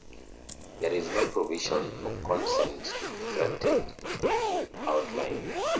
There is no provision for consent to be granted in outline.